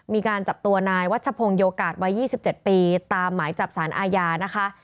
มีการจับตัวนายวัชพงศ์โยกาศวัย๒๗ปีตามหมายจับสารอาญานะคะ